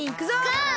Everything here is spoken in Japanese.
ゴー！